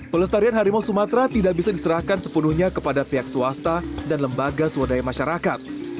pelestarian harimau sumatera tidak bisa diserahkan sepenuhnya kepada pihak swasta dan lembaga swadaya masyarakat